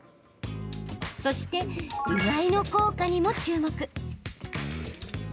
そして、うがいの効果にも注目。